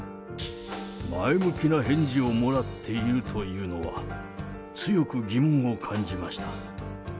前向きな返事をもらっているというのは、強く疑問を感じました。